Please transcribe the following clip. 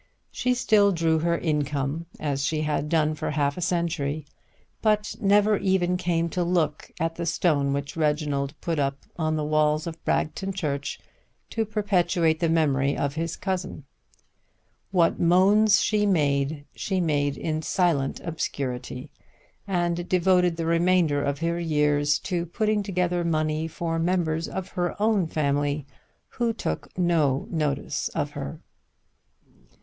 She still drew her income as she had done for half a century, but never even came to look at the stone which Reginald put up on the walls of Bragton church to perpetuate the memory of his cousin. What moans she made she made in silent obscurity, and devoted the remainder of her years to putting together money for members of her own family who took no notice of her.